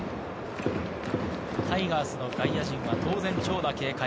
タイガースの外野陣は当然長打を警戒。